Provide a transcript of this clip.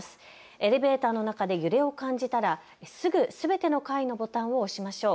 エレベーターの中で揺れを感じたらすぐすべての階のボタンを押しましょう。